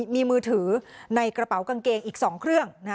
มีมือถือในกระเป๋ากางเกงอีก๒เครื่อง